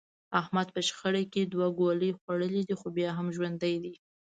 احمد په شخړه کې دوه ګولۍ خوړلې دي، خو بیا هم ژوندی دی.